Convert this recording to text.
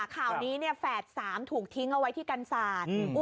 ข่าวนี้แฝด๓ถูกทิ้งเอาไว้ที่กันศาสตร์